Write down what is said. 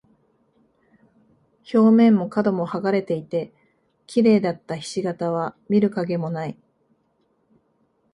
表面も角も剥がれていて、綺麗だった菱形は見る影もない。